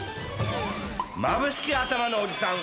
まぶしきあたまのおじさん